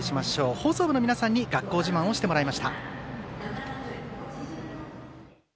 放送部の皆さんに学校自慢をしてもらいました。